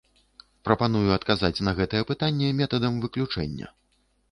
Прапаную адказаць на гэтае пытанне метадам выключэння.